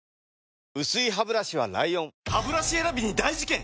薄いハブラシは ＬＩＯＮハブラシ選びに大事件！